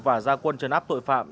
và gia quân trấn áp tội phạm